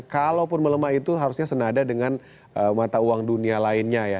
kalaupun melemah itu harusnya senada dengan mata uang dunia lainnya ya